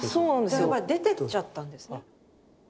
じゃやっぱり出てっちゃったんですね。